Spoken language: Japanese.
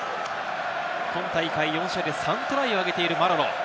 今大会４試合で３トライを挙げているマロロ。